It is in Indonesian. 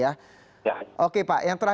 jadi tiba tiba saja pak apri ya